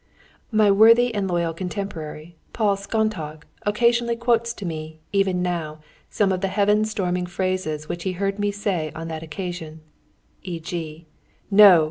My worthy and loyal contemporary, Paul Szontagh, occasionally quotes to me, even now, some of the heaven storming phrases which he heard me say on that occasion; e.g., "... No!